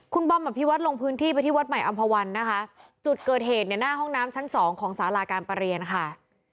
คุณบอมอภิวัตรลงพื้นที่ไปที่วัดใหม่อำภาวันนะคะจุดเกิดเหตุเนี่ยหน้าห้องน้ำชั้นสองของสาราการประเรียนค่ะ